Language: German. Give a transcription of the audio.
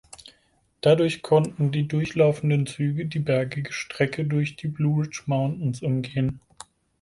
Dadurch konnten die durchlaufenden Züge die bergige Strecke durch die Blue Ridge Mountains umgehen.